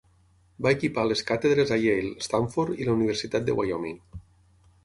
Va equipar les càtedres a Yale, Stanford, i la Universitat de Wyoming.